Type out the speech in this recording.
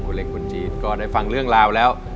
คุณเล็กคุณจี๊ดก็ได้ฟังเรื่องราวแล้ว